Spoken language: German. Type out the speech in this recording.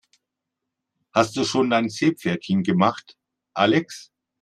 Hast du schon dein Seepferdchen gemacht, Alex?